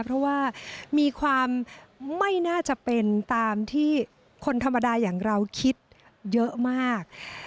เพราะว่ามีความไม่น่าจะเป็นตามที่คนธรรมดาอย่างเราคิดเยอะมาก